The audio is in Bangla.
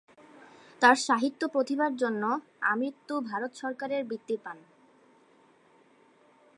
তার সাহিত্য প্রতিভার জন্য আমৃত্যু ভারত সরকারের বৃত্তি পান।